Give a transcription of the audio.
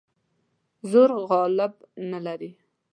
زور غالب نه لري.